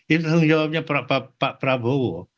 ini tanggung jawabnya pak prabowo